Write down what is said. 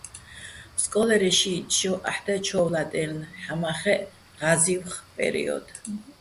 სკო́ლერეჼ შიიტტ შო აჰ̦ და ჩო́ვლადაჲლნო̆, ჰ̦ამა́ხეჸ ღაზი́ვხ პერიოდ.